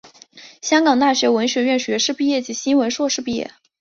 香港大学文学院学士毕业及新闻硕士毕业。